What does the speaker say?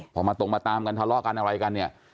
พอมาตรงมาตามกันทะเลาะกันอะไรกันเนี่ย